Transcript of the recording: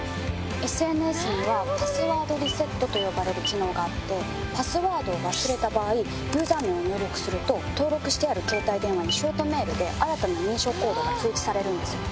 ＳＮＳにはパスワードリセットと呼ばれる機能があってパスワードを忘れた場合ユーザー名を入力すると登録してある携帯電話にショートメールで新たな認証コードが通知されるんですよ。